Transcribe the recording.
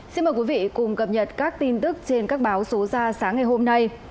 xin mời quý vị cùng cập nhật các tin tức trên các báo số ra sáng ngày hôm nay